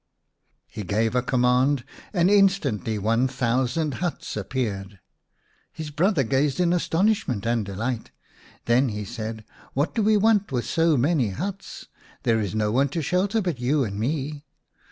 He gave a command and instantly one thousand huts appeared. His brother gazed in astonishment and delight. Then he said, " What do we want with so many huts ? There is no one to shelter but you and me."